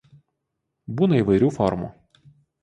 Būna įvairių formų.